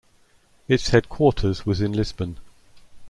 Its headquarters was in Lisbon.